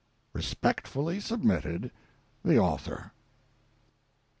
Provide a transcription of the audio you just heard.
Respectfully submitted, THE AUTHOR.